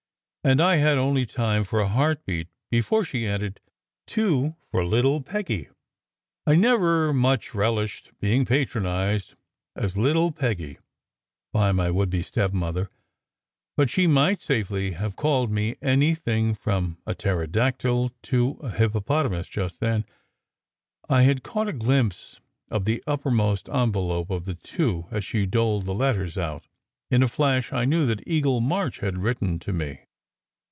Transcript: And I had only time for a heartbeat before she added, "Two for little Peggy!" I never much relished being patronized as "little Peggy" by my would be stepmother, but she might safely have called me anything from a pterodactyl to a hippopotamus just then. I had caught a glimpse of the uppermost en velope of the two as she doled the letters out. In a flash I knew that Eagle March had written to me.